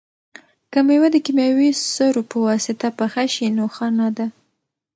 که مېوه د کیمیاوي سرو په واسطه پخه شي نو ښه نه ده.